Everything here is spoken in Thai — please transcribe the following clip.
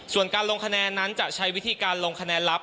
ส่วนการลงคะแนนนั้นจะใช้วิธีการลงคะแนนลับ